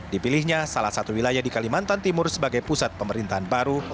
dipilihnya salah satu wilayah di kalimantan timur sebagai pusat pemerintahan baru